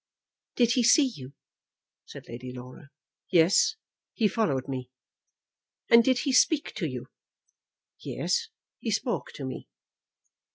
"Did he see you?" said Lady Laura. "Yes, he followed me." "And did he speak to you?" "Yes; he spoke to me."